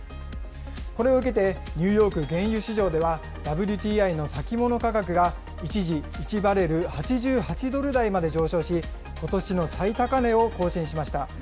これを受けて、ニューヨーク原油市場では、ＷＴＩの先物価格が一時１バレル８８ドル台まで上昇し、ことしの最高値を更新しました。